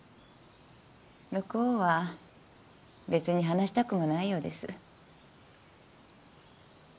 向こうは別に話したくもないようです。